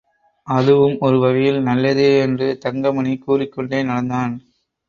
அதுவும் ஒரு வகையில் நல்லதே என்று தங்கமணி கூறிக்கொண்டே நடந்தான்.